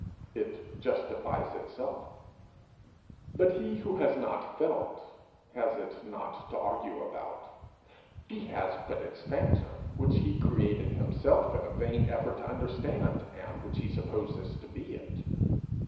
It justifies itself. But he who has not felt has it not to argue about. He has but its phantom, which he created himself in a vain effort to understand, and which he supposes to be it.